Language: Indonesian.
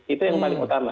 itu yang paling utama